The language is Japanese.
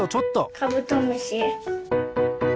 カブトムシ。